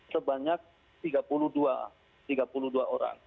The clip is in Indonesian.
sebanyak tiga puluh dua orang